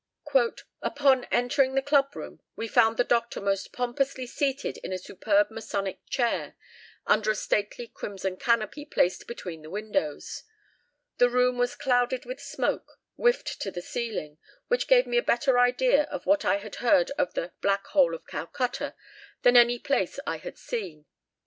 "Upon entering the club room, we found the Doctor most pompously seated in a superb masonic chair, under a stately crimson canopy placed between the windows. The room was clouded with smoke, whiffed to the ceiling, which gave me a better idea of what I had heard of the 'Black Hole of Calcutta' than any place I had seen.